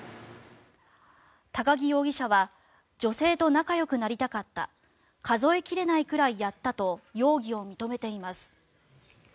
都木容疑者は女性と仲よくなりたかった数え切れないくらいやったと容疑を認めています。